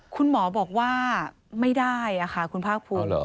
คุณหมอบอกว่าไม่ได้ค่ะคุณภาคภูมิ